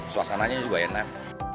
suasananya juga enak